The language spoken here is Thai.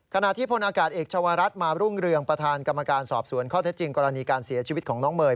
ขณะที่พลอากาศเอกชาวรัฐมารุ่งเรืองประธานกรรมการสอบสวนข้อเท็จจริงกรณีการเสียชีวิตของน้องเมย์